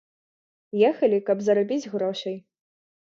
Ехалі, каб зарабіць грошай.